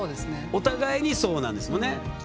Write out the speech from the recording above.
お互いにそうなんですもんね。